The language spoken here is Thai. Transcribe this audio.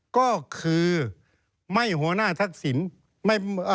ก็คือไม่หัวหน้าทักษิณ